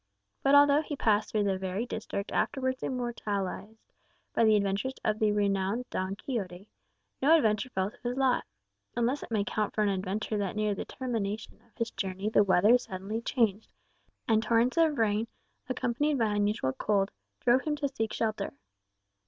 But although he passed through the very district afterwards immortalized by the adventures of the renowned Don Quixote, no adventure fell to his lot. Unless it may count for an adventure that near the termination of his journey the weather suddenly changed, and torrents of rain, accompanied by unusual cold, drove him to seek shelter.